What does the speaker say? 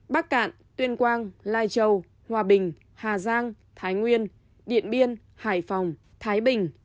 bắc cạn tuyên quang lai châu hòa bình hà giang thái nguyên điện biên hải phòng thái bình